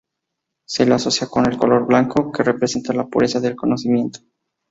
Se la asocia con el color blanco, que representa la pureza del conocimiento.